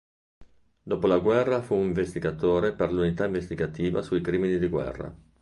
Dopo la guerra fu un investigatore per l'Unità Investigativa sui Crimini di Guerra.